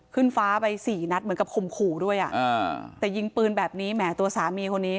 ขึ้นฟ้าไปสี่นัดเหมือนกับข่มขู่ด้วยอ่ะอ่าแต่ยิงปืนแบบนี้แหมตัวสามีคนนี้